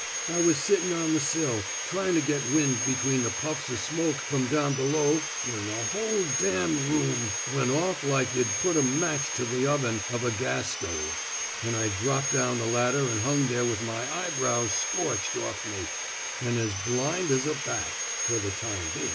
... I was sittin' on the sill, tryin' to get wind between the puffs o' smoke from down below when the whole d room 286 NOT FOE PUBLICATION went off like ynli'd put a match to th* oven of a gas stove, an' I dropped down the ladder an' hung there with my eyebrows scorched off me, an' as blind as a bat — fer the time bein'.